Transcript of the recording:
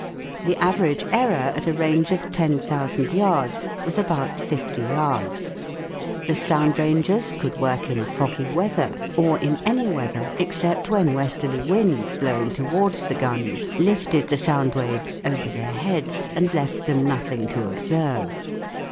The average error at a range of 10,000 yards was about 50 yards. The sound rangers could work in foggy weather, or in any weather except when westerly winds blowing towards the guns lifted the sound waves over their heads and left them nothing to observe.